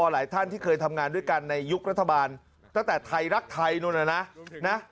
หลายท่านที่เคยทำงานด้วยกันในยุครัฐบาลตั้งแต่ไทยรักไทยนู้นนะนะ